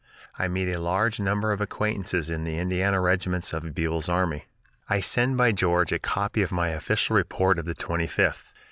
I meet a large number of acquaintances in the Indiana regiments of Buell's army. "I send by George a copy of my official report of the Twenty fifth.